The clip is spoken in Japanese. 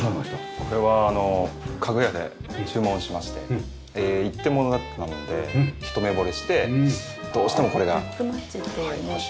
これはあの家具屋で注文しまして一点ものだったので一目ぼれしてどうしてもこれが欲しいという事で。